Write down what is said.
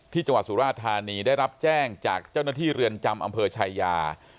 จังหวัดสุราธานีได้รับแจ้งจากเจ้าหน้าที่เรือนจำอำเภอชายา